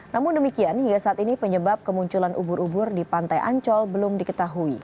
namun demikian hingga saat ini penyebab kemunculan ubur ubur di pantai ancol belum diketahui